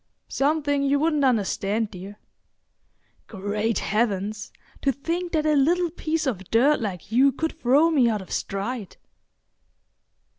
"Something you wouldn't understand, dear. Great heavens! to think that a little piece of dirt like you could throw me out of stride!"